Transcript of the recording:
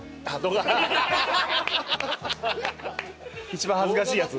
一番恥ずかしいやつ。